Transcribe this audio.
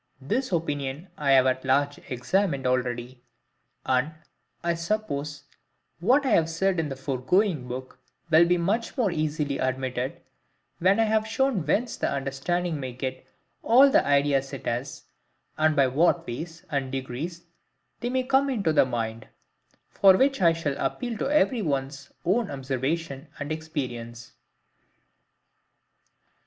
This opinion I have at large examined already; and, I suppose what I have said in the foregoing Book will be much more easily admitted, when I have shown whence the understanding may get all the ideas it has; and by what ways and degrees they may come into the mind;—for which I shall appeal to every one's own observation and experience.